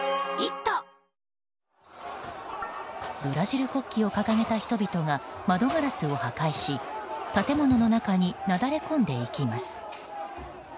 ブラジル国旗を掲げた人々が窓ガラスを破壊し建物の中になだれ込んでいきます。